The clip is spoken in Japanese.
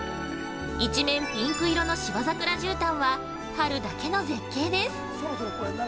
一面ピンク色の芝桜じゅうたんは春だけの絶景です。